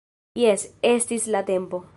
Jes, estis la tempo!